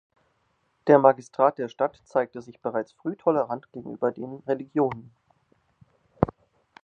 Der Magistrat der Stadt zeigte sich bereits früh tolerant gegenüber den Religionen.